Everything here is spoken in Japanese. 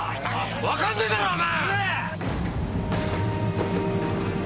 わかんねぇだろお前！